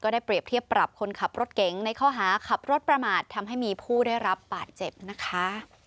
ได้เปรียบเทียบปรับคนขับรถเก๋งในข้อหาขับรถประมาททำให้มีผู้ได้รับบาดเจ็บนะคะ